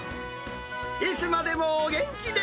いつまでもお元気で。